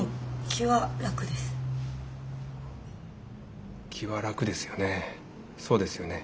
気は楽ですよね